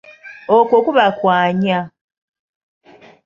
Okwo kuba kwanya.